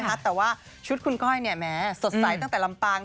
แต่ว่าชุดคุณก้อยแม้สดใสตั้งแต่ลำปาง